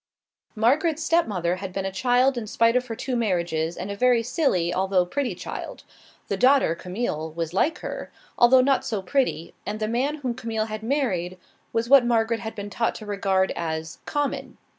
Margaret's stepmother had been a child in spite of her two marriages, and a very silly, although pretty child. The daughter, Camille, was like her, although not so pretty, and the man whom Camille had married was what Margaret had been taught to regard as "common."